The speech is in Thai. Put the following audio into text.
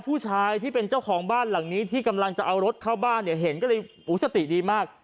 ผู้ชายที่เป็นเจ้าของบ้านหลังนี้ที่กำลังจะเอารถเข้าบ้านเนี่ยเห็นก็เลยสติดีมาก